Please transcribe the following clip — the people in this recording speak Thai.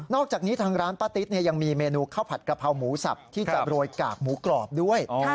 อกจากนี้ทางร้านป้าติ๊ดยังมีเมนูข้าวผัดกะเพราหมูสับที่จะโรยกากหมูกรอบด้วย